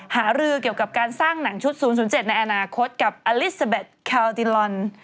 หารือเกี่ยวกับการสร้างหนังชุด๐๐๗ในอนาคตกับอลิซาเบ็ดแคลติลอน